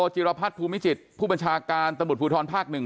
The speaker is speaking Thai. จิรพัฒน์ภูมิจิตรผู้บัญชาการตมุดภูทรภาคหนึ่ง